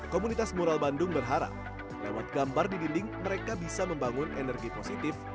komunitas mural bandung berharap lewat gambar di dinding mereka bisa membangun energi positif